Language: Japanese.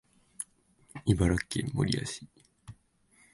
茨城県守谷市